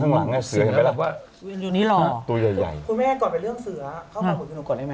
คุณแม่ก่อนไปเรื่องเสือพาปลาหมึกคุณหนูก่อนไง